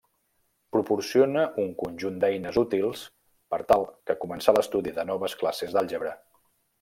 Proporciona un conjunt d'eines útils per tal que començar l'estudi de noves classes d'àlgebres.